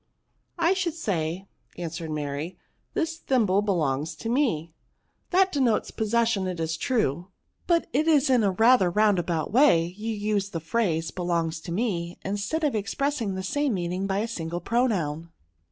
I should say," answered Mary, " this thimble belongs to me." *' That denotes possession, it is true, but it is in rather a roundabout way ; you use the phrase belongs to me, instead of ex pressing the same meaning by a single pro noun.